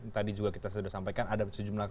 tadi juga kita sudah sampaikan ada sejumlah